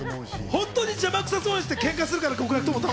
本当に邪魔くさそうにしてケンカするから、極楽とんぼって。